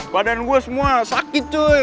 badan gue semua sakit tuh